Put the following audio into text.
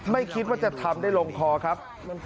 ไม่คิดว่าจะทำได้ลงคอครับ